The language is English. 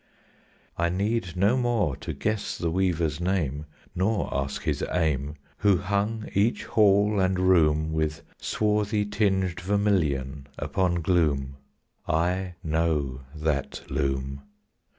I need no more to guess the weaver's name, Nor ask his aim, Who hung each hall and room With swarthy tinged vermilion upon gloom; I know that loom.